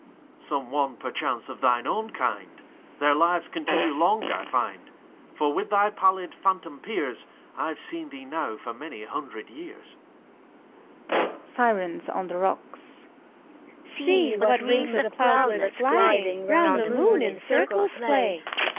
Some one, perchance, of thine own kind! Their lives continue long, I find ; For with thy pallid phantom peers I've seen thee now for many hundred years. SIRENS (on the rocks). See! what rings of cloudlets, gliding Round the moon, in circles play